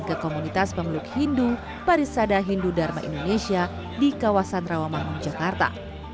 ke komunitas pemeluk hindu parisada hindu dharma indonesia di kawasan rawamangun jakarta